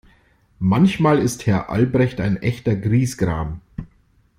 Manchmal ist Herr Albrecht ein echter Griesgram.